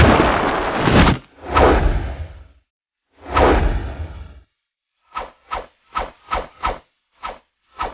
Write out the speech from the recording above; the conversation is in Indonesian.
tetapi mieja kalau berjalan lebih baik cruz telinga